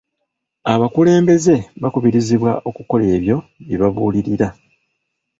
Abakulembeze bakubirizibwa okukola ebyo bye babuulirira.